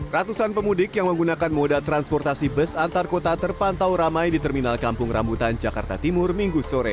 ratusan pemudik yang menggunakan moda transportasi bus antar kota terpantau ramai di terminal kampung rambutan jakarta timur minggu sore